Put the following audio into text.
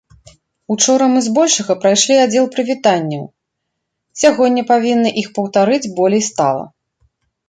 Учора мы збольшага прайшлі аддзел прывітанняў, сягоння павінны іх паўтарыць болей стала.